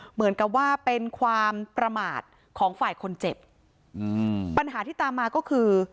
เหมือนกับว่าเป็นความประมาทของฝ่ายคนเจ็บอืมปัญหาที่ตามมาก็คือ